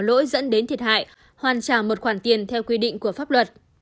nếu pháp nhân có lỗi dẫn đến thiệt hại hoàn trả một khoản tiền theo quy định của pháp luật